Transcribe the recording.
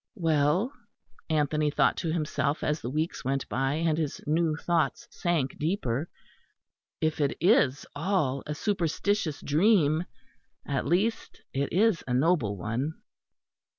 Well, Anthony thought to himself as the weeks went by and his new thoughts sank deeper, if it is all a superstitious dream, at least it is a noble one!